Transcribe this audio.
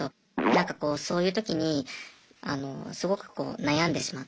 なんかこうそういう時にあのすごくこう悩んでしまって。